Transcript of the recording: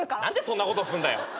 何でそんなことすんだよ！